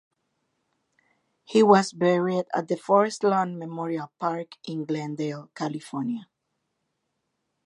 He was buried at the Forest Lawn Memorial Park in Glendale, California.